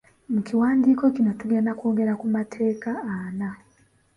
Mu kiwandiiko kino tugenda kwogera ku mateeka ana